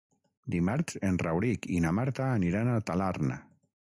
Dimarts en Rauric i na Marta aniran a Talarn.